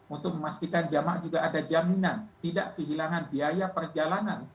untuk memastikan jemaah juga ada jaminan tidak kehilangan biaya perjalanan